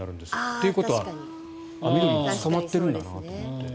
ということは網戸に捕まってるんだなと思って。